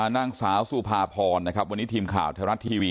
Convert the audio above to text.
นางสาวสุภาพรนะครับวันนี้ทีมข่าวไทยรัฐทีวี